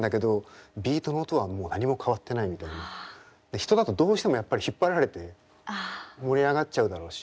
人だとどうしてもやっぱり引っ張られて盛り上がっちゃうだろうし。